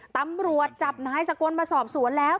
ตำรวจจับนายสกลมาสอบสวนแล้ว